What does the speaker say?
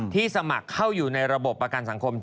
สมัครเข้าอยู่ในระบบประกันสังคม